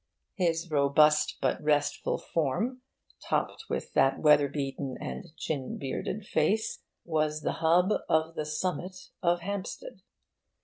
His robust but restful form, topped with that weather beaten and chin bearded face, was the hub of the summit of Hampstead.